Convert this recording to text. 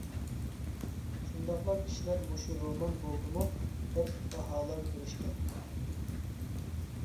شۇنداقلا كىشىلەر مۇشۇ رومان بولدىمۇ دەپ باھالار بېرىشكەن.